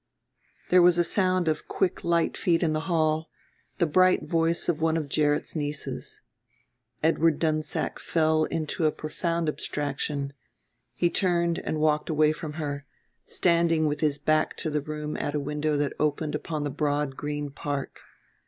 There was a sound of quick light feet in the hall, the bright voice of one of Gerrit's nieces. Edward Dunsack fell into a profound abstraction: he turned and walked away from her, standing with his back to the room at a window that opened upon the broad green park.